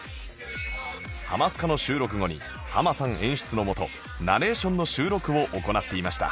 『ハマスカ』の収録後にハマさん演出のもとナレーションの収録を行っていました